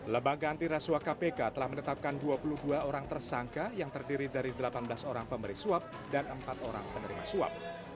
lebaga anti rasuah kpk telah menetapkan dua puluh dua orang tersangka yang terdiri dari delapan belas orang pemberi suap dan empat orang penerima suap